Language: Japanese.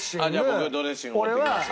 僕ドレッシング持ってきます。